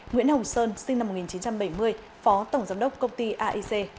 nguyễn hồng sơn sinh năm một nghìn chín trăm bảy mươi phó tổng giám đốc công ty aic